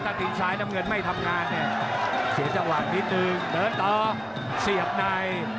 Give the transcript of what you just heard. ด้านดินซ้ายน้ำเงินทำงานเนี่ยเสียจะหวานนิดนึงเดินตามาย